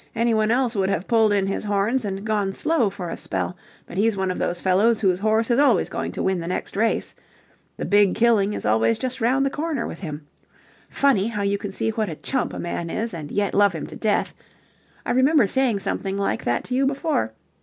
Anyone else would have pulled in his horns and gone slow for a spell, but he's one of those fellows whose horse is always going to win the next race. The big killing is always just round the corner with him. Funny how you can see what a chump a man is and yet love him to death... I remember saying something like that to you before...